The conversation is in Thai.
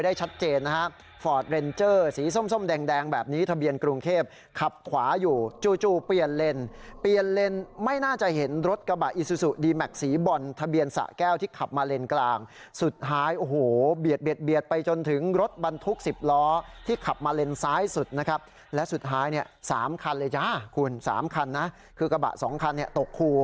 ได้ชัดเจนนะฮะฟอร์ดเรนเจอร์สีส้มส้มแดงแดงแบบนี้ทะเบียนกรุงเทพขับขวาอยู่จู่จู่เปลี่ยนเลนส์เปลี่ยนเลนส์ไม่น่าจะเห็นรถกระบะอีซูซูดีแม็กซ์สีบอลทะเบียนสระแก้วที่ขับมาเลนส์กลางสุดท้ายโอ้โหเบียดเบียดเบียดไปจนถึงรถบรรทุกสิบล้อที่ขับมาเลนส์ซ้ายสุดนะครับและสุดท้